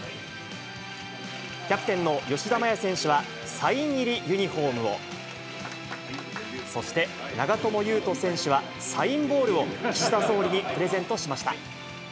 キャプテンの吉田麻也選手はサイン入りユニホームを、そして長友佑都選手は、サインボールを岸田総理にプレゼントしました。